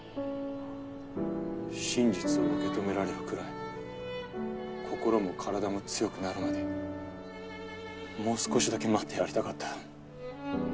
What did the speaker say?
真実を受け止められるくらい心も体も強くなるまでもう少しだけ待ってやりたかった。